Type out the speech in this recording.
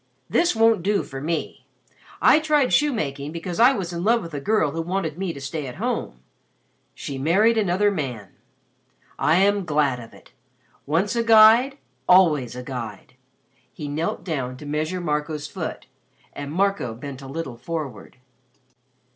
This won't do for me. I tried shoemaking because I was in love with a girl who wanted me to stay at home. She married another man. I am glad of it. Once a guide, always a guide." He knelt down to measure Marco's foot, and Marco bent a little forward.